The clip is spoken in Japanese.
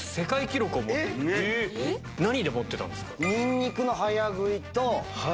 何で持ってたんですか？